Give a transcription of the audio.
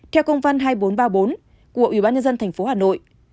theo công văn hai nghìn bốn trăm ba mươi bốn của ủy ban nhân dân thành phố hà nội